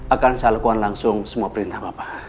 akan saya lakukan langsung semua perintah bapak